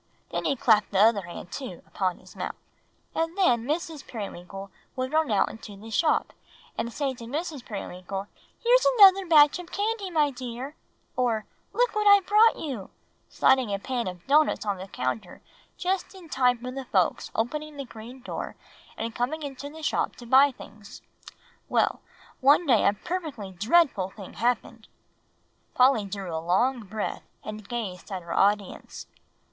Then he clapped the other hand, too, upon his mouth. "And then Mrs. Periwinkle would run out into the shop, and say to Mr. Periwinkle, 'Here's another batch of candy, my dear;' or 'Look what I've brought you,' sliding a pan of doughnuts on the counter just in time for the folks opening the green door and coming into the shop to buy things. Well, one day a perfectly dreadful thing happened!" Polly drew a long breath, and gazed at her audience.